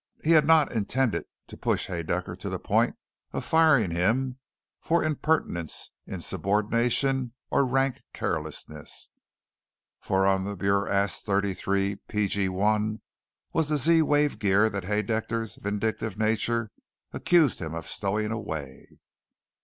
He had not intended to push Haedaecker to the point of firing him for impertinence, insubordination, or rank carelessness. For on the "BurAst 33.P.G.1" was the Z wave gear that Haedaecker's vindictive nature accused him of stowing away.